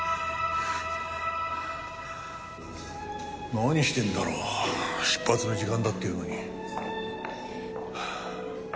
何してんだろう？出発の時間だっていうのに。